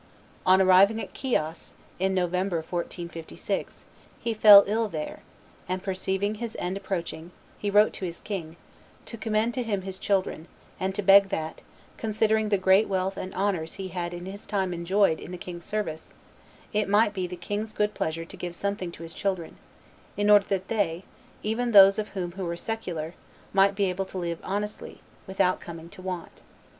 On arriving at Chios, in November, 1456, he fell ill there, and perceiving his end approaching, he wrote to his king "to commend to him his children, and to beg that, considering the great wealth and honors he had in his time enjoyed in the king's service, it might be the king's good pleasure to give something to his children, in order that they, even those of them who were secular, might be able to live honestly, without coming to want."